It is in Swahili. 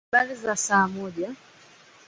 Habari za saa moja.